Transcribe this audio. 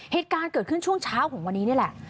เหตุการณ์เกิดขึ้นช่วงเช้าของวันนี้นี่แหละ